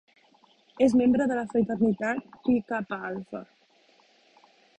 És membre de la fraternitat Pi Kappa Alpha.